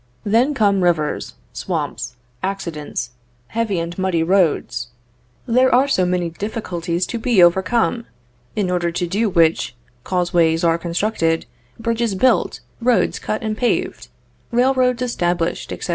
Then come rivers, swamps, accidents, heavy and muddy roads; these are so many difficulties to be overcome; in order to do which, causeways are constructed, bridges built, roads cut and paved, railroads established, etc.